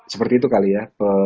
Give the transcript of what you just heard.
seperti itu kali ya